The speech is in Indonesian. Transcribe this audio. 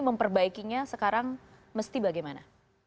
memperbaikinya sekarang mesti bagaimana